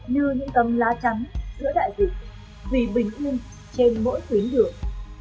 trong tầm lá trắng giữa đại dịch vì bình yên trên mỗi tuyến đường